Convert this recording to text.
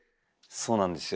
そうなんですよ。